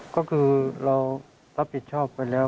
ก็คือเรารับผิดชอบไปแล้ว